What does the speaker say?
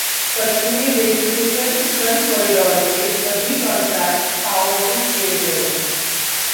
पश्चिमी dedicated front corridor के सभी कांट्रैक्ट आवंटित किए गए